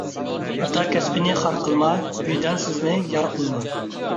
ئاتا كەسپىنى خار قىلما، ۋىجدانسىزنى يار قىلما.